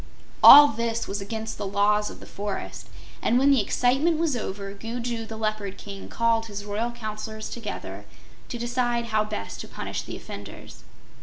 All this was against the Laws of the Forest, and when the excitement was over, Gugu the Leopard King called his royal Counselors together to decide how best to punish the offenders.